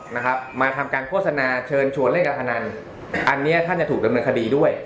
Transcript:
นะครับมาทำการโฆษณาเชิญชวนเล่นการพนันอันเนี้ยท่านจะถูกดำเนินคดีด้วย